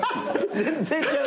全然違う。